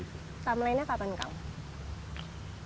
samelainnya kapan kang